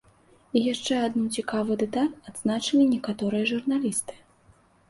І яшчэ адну цікавую дэталь адзначылі некаторыя журналісты.